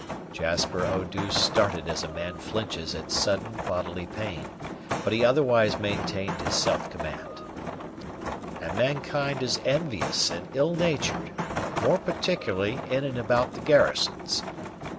Jasper Eau douce started as a man flinches at sudden bodily pain; but he otherwise maintained his self command. "And mankind is envious and ill natured, more particularly in and about the garrisons.